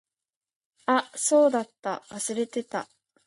あ、そうだった。忘れてた。